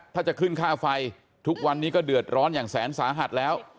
ถ้าจะขึ้นค่าไฟทุกวันนี้ก็เดือดร้อนอย่างแสนสาหัสแล้ว